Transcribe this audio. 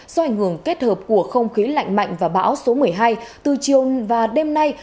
do ảnh hưởng kết hợp của không khí lạnh mạnh và bão số một mươi hai từ chiều và đêm nay